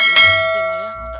tadi udah gini malah